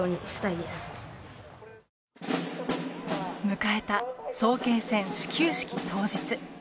迎えた早慶戦始球式当日。